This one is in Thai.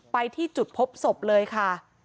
ไปที่จุดพบศพเลยค่ะ